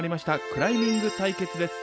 クライミング対決です。